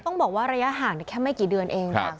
ต้องบอกว่าระยะห่างแค่ไม่กี่เดือนเองค่ะ